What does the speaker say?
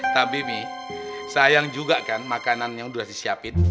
tapi mi sayang juga kan makanan yang udah disiapin